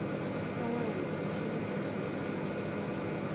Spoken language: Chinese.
东魏武定七年属南司州。